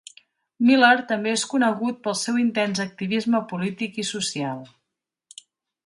Miller també és conegut pel seu intens activisme polític i social.